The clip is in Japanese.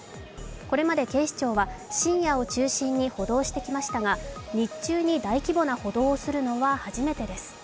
これまで警視庁は深夜を中心に補導してきましたが、日中に大規模な補導をするのは初めてです。